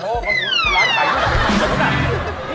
ไม่ได้